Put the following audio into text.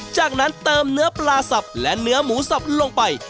จากนั้นเติมเนื้อปลาสับและเนื้อหมูสับลงไป